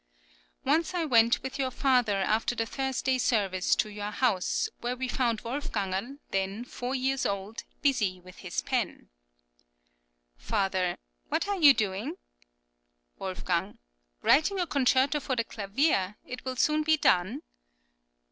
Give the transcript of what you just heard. Once I went with your father after the Thursday service to your house, where we found Wolfgangerl, then four years old, busy with his pen. {SCHACHTNER'S LETTER.} (23) Father: What are you doing? Wolfg.: Writing a concerto for the clavier; it will soon be done.